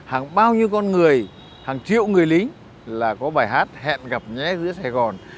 hàng bao nhiêu con người hàng triệu người lính là có bài hát hẹn gặp nhé giữa sài gòn